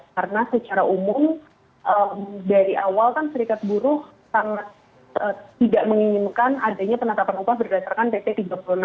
karena secara umum dari awal kan serikat buruh sangat tidak menginginkan adanya penata penumpang berdasarkan pt tiga puluh enam dua ribu dua puluh dua